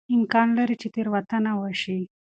امکان لري چې تېروتنه وشي.